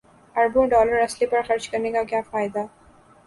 اربوں ڈالر اسلحے پر خرچ کرنے کا کیا فائدہ